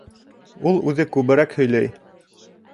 Ул үҙе күберәк һөйләй.